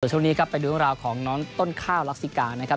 ช่วงนี้ไปดูราวของน้องต้นข้าวลักษิกา